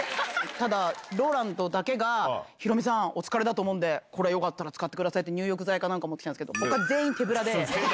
ただ、ＲＯＬＡＮＤだけが、ヒロミさん、お疲れだと思うんで、これ、よかったら使ってくださいって、入浴剤かなんか持ってきたんですけど、ほか全員、手ぶらで。